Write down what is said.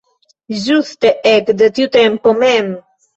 Ĝuste ekde tiu tempo mem.